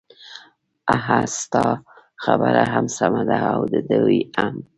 ههه ستا خبره هم سمه ده او د دوی هم.